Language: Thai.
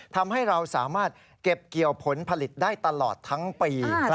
ทำให้เราสามารถเก็บเกี่ยวผลผลิตได้ตลอดทั้งปี